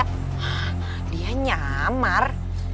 hah dia nyamar